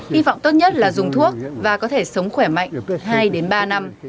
hy vọng tốt nhất là dùng thuốc và có thể sống khỏe mạnh hai ba năm